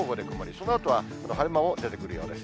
そのあとは晴れ間も出てくるようです。